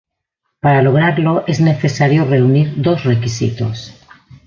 Para lograrlo es necesario reunir dos requisitos.